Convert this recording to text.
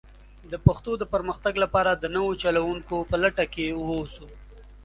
د پښتو د پرمختګ لپاره د نوو چلوونکو په لټه کې ووسو.